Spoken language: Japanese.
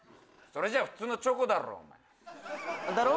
それじゃあ普通のチョコだろお前。